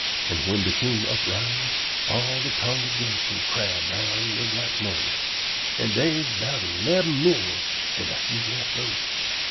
An' whin de king uprise, all de congregation crowd round li'l black Mose, an' dey am about leben millium an' a few lift over.